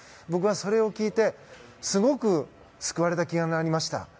僕はそれを聞いてすごく救われた気になりました。